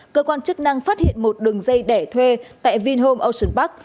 cơ quan chức năng phát hiện một đường dây đẻ thuê tại vinhome ocean park